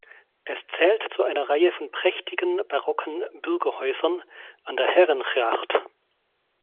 Es zählt zu einer Reihe von prächtigen barocken Bürgerhäusern an der Herengracht.